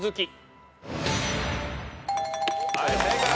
はい正解。